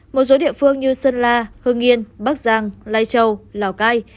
một số địa phương như sơn la hương yên bắc giang lai châu lào cai